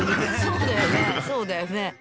そうだよねそうだよね。